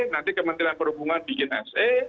nanti kementerian perhubungan bikin se